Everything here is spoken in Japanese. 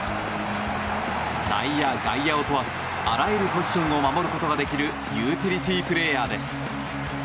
内野、外野を問わずあらゆるポジションを守ることができるユーティリティープレーヤーです。